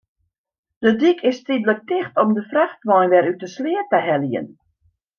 De dyk is tydlik ticht om de frachtwein wer út de sleat te heljen.